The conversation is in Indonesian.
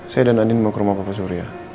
saya dan adin mau ke rumah papa suria